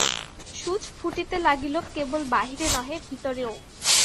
ছুঁচ ফুটিতে লাগিল কেবল বাহিরে নহে, ভিতরেও।